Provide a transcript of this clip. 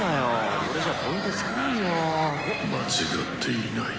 「間違っていない。